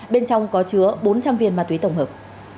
bên trong có chứa bốn trăm linh viên ma túy tổng hợp